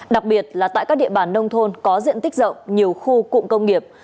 đặc biệt là tại các địa bàn nông thôn có diện tích rộng nhiều khu cụm công nghiệp